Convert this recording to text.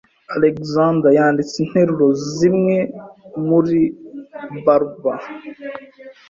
Alexandre yanditse interuro zimwe muri Berber.